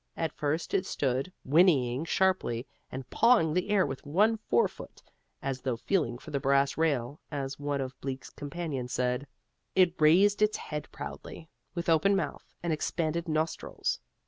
At first it stood, whinneying sharply, and pawing the air with one forefoot as though feeling for the brass rail, as one of Bleak's companions said. It raised its head proudly, with open mouth and expanded nostrils.